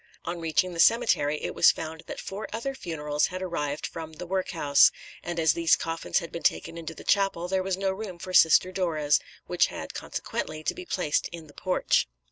On reaching the cemetery it was found that four other funerals had arrived from the workhouse; and as these coffins had been taken into the chapel there was no room for Sister Dora's, which had, consequently, to be placed in the porch.